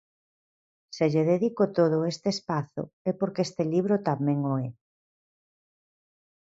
Se lle dedico todo este espazo é porque este libro tamén o é.